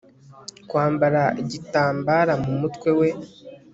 Kwambara igitambara mu mutwe we